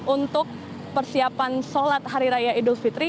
untuk persiapan sholat hari raya idul fitri